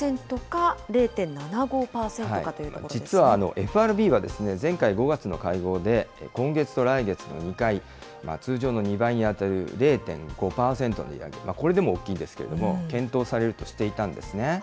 ０．５％か、０．７５％かと実は、ＦＲＢは、前回５月の会合で、今月と来月の２回、通常の２倍に当たる０．５％の利上げ、これでも大きいんですけれども、検討されるとしていたんですね。